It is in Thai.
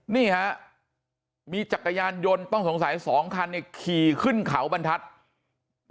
นี่ฮะมีจักรยานยนต์ต้องสงสัยสองคันเนี่ยขี่ขึ้นเขาบรรทัศน์